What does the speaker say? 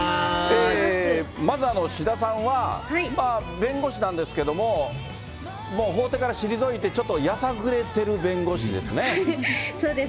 まず、志田さんは、弁護士なんですけども、もう法廷から退いて、ちょっとやさぐれてる弁護士そうです。